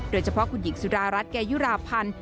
โดยเฉพาะคุณหญิงสุดารัฐเกยุราพันธ์